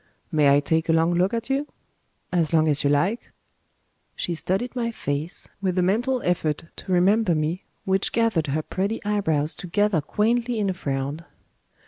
"May I take a long look at you?" "As long as you like." She studied my face, with a mental effort to remember me, which gathered her pretty eyebrows together quaintly in a frown.